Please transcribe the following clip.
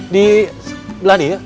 di beladi ya